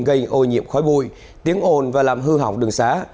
gây ô nhiễm khói bụi tiếng ồn và làm hư hỏng đường xá